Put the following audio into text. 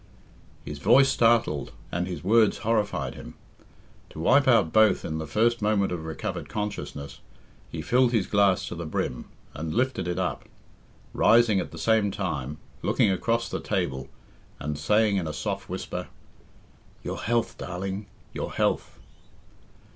His voice startled and his words horrified him. To wipe out both in the first moment of recovered consciousness, he filled his glass to the brim, and lifted it up, rising at the same time, looking across the table, and saying in a soft whisper, "Your health, darling, your health!"